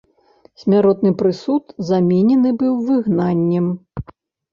Смяротны прысуд заменены быў выгнаннем.